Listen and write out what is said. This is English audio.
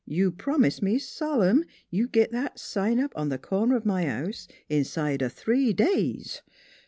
" You promised me solemn you'd git that sign up on th' corner o' my house inside o' three days.